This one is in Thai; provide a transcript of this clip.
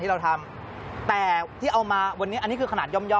เราทำแต่ที่เอามาวันนี้อันนี้คือขนาดย่อม